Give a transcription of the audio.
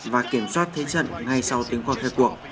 và kiểm soát thế trận ngay sau tiếng khoa kết cuộc